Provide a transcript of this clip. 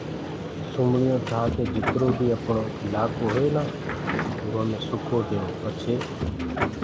سومݪيون ٺآ ڪي جِترو بيٚ اَپڻو اِلآڪو هي نآ اُرو مي سُڪو ديئو پڇي